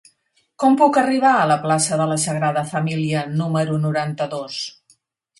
Com puc arribar a la plaça de la Sagrada Família número noranta-dos?